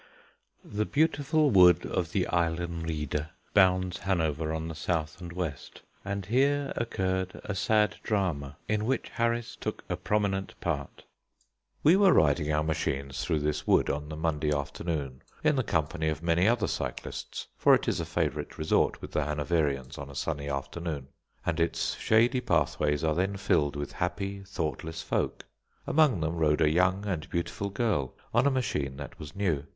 The beautiful wood of the Eilenriede bounds Hanover on the south and west, and here occurred a sad drama in which Harris took a prominent part. We were riding our machines through this wood on the Monday afternoon in the company of many other cyclists, for it is a favourite resort with the Hanoverians on a sunny afternoon, and its shady pathways are then filled with happy, thoughtless folk. Among them rode a young and beautiful girl on a machine that was new.